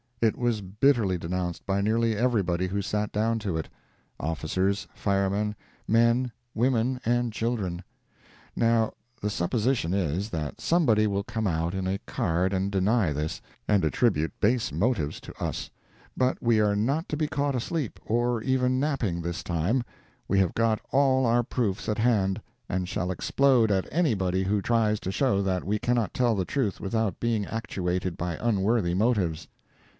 It was bitterly denounced by nearly everybody who sat down to it—officers, firemen, men, women and children. Now, the supposition is, that somebody will come out in a card and deny this, and attribute base motives to us: but we are not to be caught asleep, or even napping, this time—we have got all our proofs at hand, and shall explode at anybody who tries to show that we cannot tell the truth without being actuated by unworthy motives.